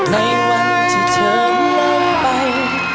ในวันที่เธออยู่แล้วไป